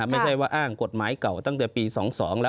ไม่ใช่ว่าอ้างกฎหมายเก่าตั้งแต่ปี๒๒แล้ว